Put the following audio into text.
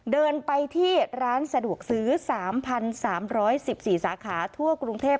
เดินไปที่ร้านสะดวกซื้อ๓๓๑๔สาขาทั่วกรุงเทพ